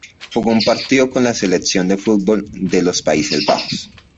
Jugó un partido con la selección de fútbol de los Países Bajos.